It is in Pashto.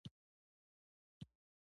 هېواد ته کتابونه پکار دي